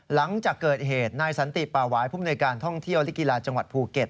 หลังจากเกิดเหตุนายสันติป่าวายผู้มนวยการท่องเที่ยวและกีฬาจังหวัดภูเก็ต